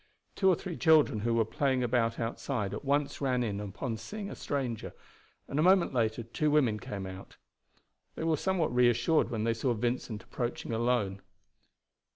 Two or three children who were playing about outside at once ran in upon seeing a stranger, and a moment later two women came out. They were somewhat reassured when they saw Vincent approaching alone.